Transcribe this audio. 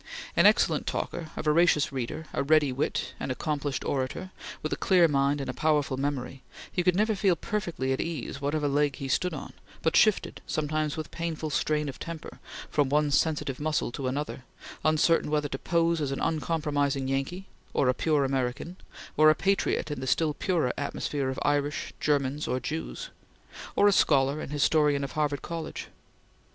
An excellent talker, a voracious reader, a ready wit, an accomplished orator, with a clear mind and a powerful memory, he could never feel perfectly at ease whatever leg he stood on, but shifted, sometimes with painful strain of temper, from one sensitive muscle to another, uncertain whether to pose as an uncompromising Yankee; or a pure American; or a patriot in the still purer atmosphere of Irish, Germans, or Jews; or a scholar and historian of Harvard College.